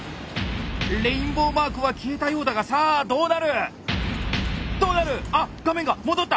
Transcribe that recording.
レインボーマークは消えたようだがさあどうなる⁉どうなる⁉あっ画面が戻った！